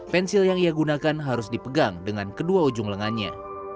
pensil yang ia gunakan harus dipegang dengan kedua ujung lengannya